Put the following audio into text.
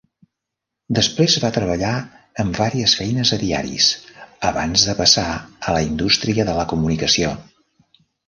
Després va treballar en vàries feines a diaris abans de passar a la indústria de la comunicació.